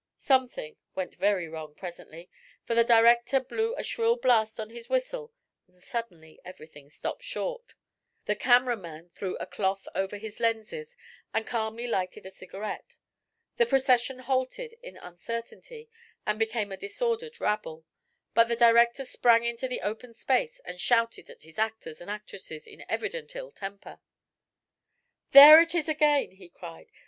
Something went very wrong presently, for the director blew a shrill blast on his whistle and suddenly everything stopped short. The camera man threw a cloth over his lenses and calmly lighted a cigarette. The procession halted in uncertainty and became a disordered rabble; but the director sprang into the open space and shouted at his actors and actresses in evident ill temper. "There it is again!" he cried.